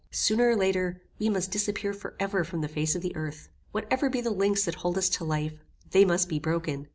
Sooner or later, we must disappear for ever from the face of the earth. Whatever be the links that hold us to life, they must be broken.